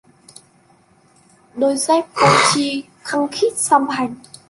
Đôi dép vô tri khăng khít song hành